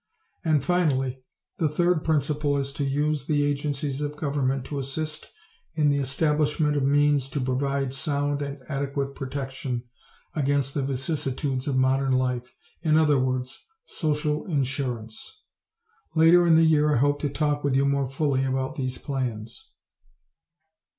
And, finally, the third principle is to use the agencies of government to assist in the establishment of means to provide sound and adequate protection against the vicissitudes of modern life in other words, social insurance. Later in the year I hope to talk with you more fully about these plans.